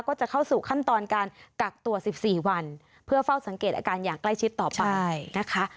ก็จะเข้าสู่ขั้นตอนการกักตัว๑๔วันเพื่อเฝ้าสังเกตอาการอย่างใกล้ชิดต่อไปนะคะ